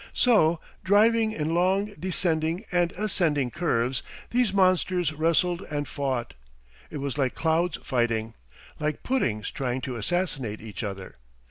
So, driving in long, descending and ascending curves, these monsters wrestled and fought. It was like clouds fighting, like puddings trying to assassinate each other.